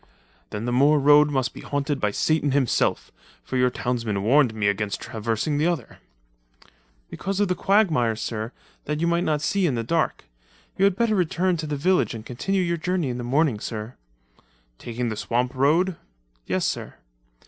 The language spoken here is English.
"Then the moor road must be haunted by Satan himself, for your townsmen warned me against traversing the other." "Because of the quagmires, sir, that you might not see in the dark. You had better return to the village and continue your journey in the morning, sir." "Taking the swamp road?" "Yes, sir."